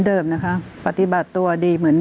คุณแม่ก็ไม่อยากคิดไปเองหรอก